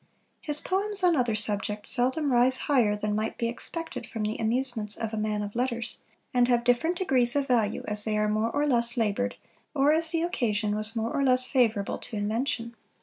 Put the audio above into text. His poems on other subjects seldom rise higher than might be expected from the amusements of a Man of Letters, and have different degrees of value as they are more or less laboured, or as the occasion was more or less favourable to invention.